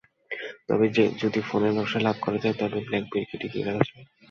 তবে যদি ফোনের ব্যবসা লাভ করা যায় তবেই ব্ল্যাকবেরিকে টিকিয়ে রাখা যাবে।